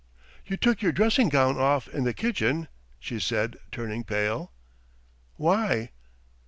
... "You took your dressing gown off in the kitchen?" she said, turning pale. "Why?"